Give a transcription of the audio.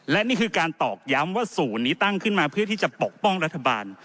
และนี่คือการตอกย้ำว่าศูนย์นี้ตั้งขึ้นมาเพื่อที่จะปกป้องรัฐบาล